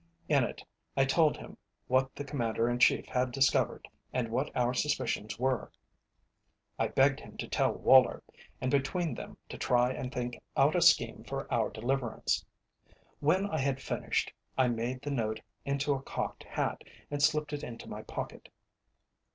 In it I told him what the Commander in Chief had discovered, and what our suspicions were. I begged him to tell Woller, and between them to try and think out a scheme for our deliverance. When I had finished, I made the note into a cocked hat and slipped it into my pocket.